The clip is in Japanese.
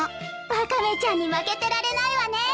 ワカメちゃんに負けてられないわね。